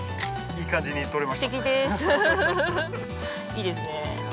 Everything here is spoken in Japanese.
いいですね。